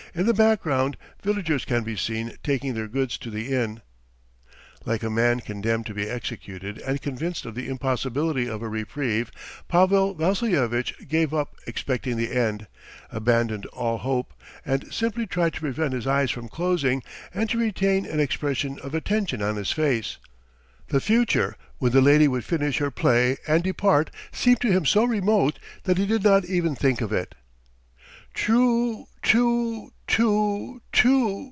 In the background_ Villagers can be seen taking their goods to the Inn. Like a man condemned to be executed and convinced of the impossibility of a reprieve, Pavel Vassilyevitch gave up expecting the end, abandoned all hope, and simply tried to prevent his eyes from closing, and to retain an expression of attention on his face. ... The future when the lady would finish her play and depart seemed to him so remote that he did not even think of it. "Trooo too too too